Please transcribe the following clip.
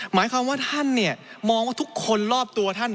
หมายความว่าท่านมองว่าทุกคนรอบตัวท่าน